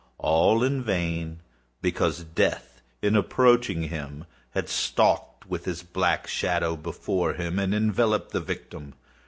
All in vain; because Death, in approaching him had stalked with his black shadow before him, and enveloped the victim.